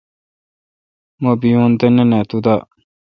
مہ بیون تہ نہ نا تو دا